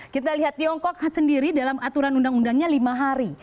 kita lihat tiongkok sendiri dalam aturan undang undangnya lima hari